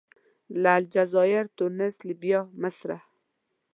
له الجزایر، تونس، لیبیا، مصره.